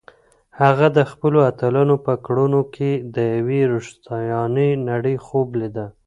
هغه د خپلو اتلانو په کړنو کې د یوې رښتیانۍ نړۍ خوب لیده.